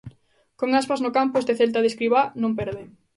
Con Aspas no campo este Celta de Escribá non perde.